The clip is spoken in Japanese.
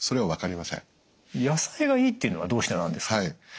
野菜がいいっていうのはどうしてなんですか？